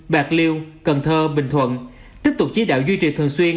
bạc liêu cần thơ bình thuận tiếp tục chỉ đạo duy trì thường xuyên